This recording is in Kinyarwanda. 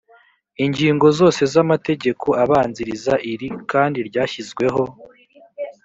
ingingo zose z amategeko abanziriza iri kandi ryashyizweho